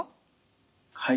はい。